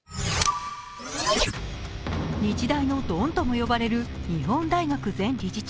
日大のドンとも呼ばれる日本大学前理事長